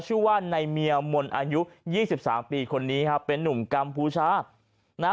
ชื่อว่านายเมียมนต์อายุ๒๓ปีคนนี้เป็นหนุ่มกรรมภูชา